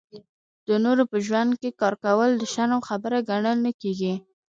د نورو په ژوند کې کار کول د شرم خبره ګڼل نه کېږي.